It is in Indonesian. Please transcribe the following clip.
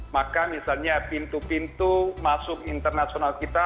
maka misalnya pintu pintu masuk internasional kita